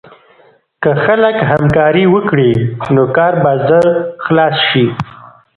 که خلک همکاري وکړي، نو کار به ژر خلاص شي.